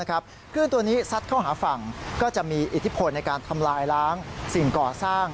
คลื่นตัวนี้ซัดเข้าหาฝั่งก็จะมีอิทธิพลในการทำลายล้างสิ่งก่อสร้าง